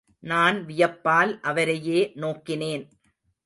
நான் வியப்பால் அவரையே நோக்கினேன்.